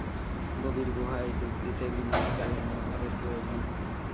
গভীর গুহায় ডুব দিতে ভিন্ন প্রকারের মনোভাবের প্রয়োজন।